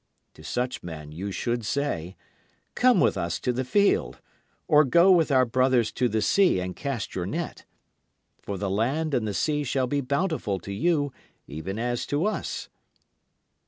To such men you should say, "Come with us to the field, or go with our brothers to the sea and cast your net; For the land and the sea shall be bountiful to you even as to us."